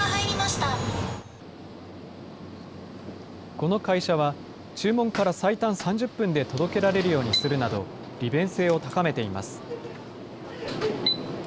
この会社は、注文から最短３０分で届けられるようにするなど、利便性を高めています。